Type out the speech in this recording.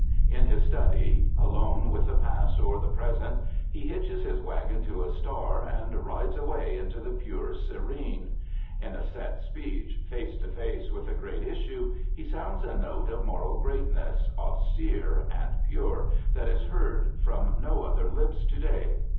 In his study, done with the past or the present, he hitches his wagon to a star and rides away into the pure serene. In a set speech, face to face with a great issue, he sounds a note of moral greatness, austere and pure, that is heard from no other lips to day.